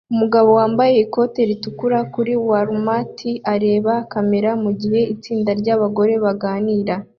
Umugabo wambaye ikote ritukura kuri Walmart areba kamera mugihe itsinda ryabagore baganira